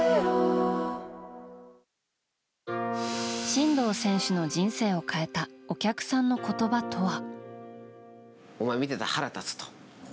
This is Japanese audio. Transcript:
真道選手の人生を変えたお客さんの言葉とは。